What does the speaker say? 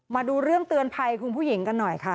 มาดูเรื่องเตือนภัยคุณผู้หญิงกันหน่อยค่ะ